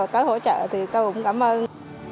tới hỗ trợ thì tôi cũng cảm ơn